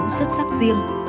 độc đáo xuất sắc riêng